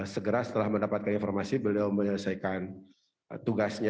segera setelah mendapatkan informasi beliau menyelesaikan tugasnya